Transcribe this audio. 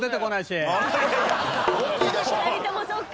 ２人ともそっか。